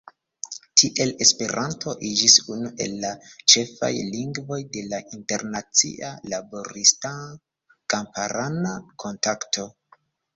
Tiel Esperanto iĝis unu el la ĉefaj lingvoj de la internacia laborista-kamparana kontakto.